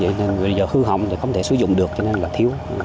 vậy nên bây giờ hư hỏng thì không thể sử dụng được cho nên là thiếu